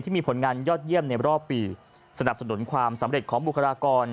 มีผลงานยอดเยี่ยมในรอบปีสนับสนุนความสำเร็จของบุคลากร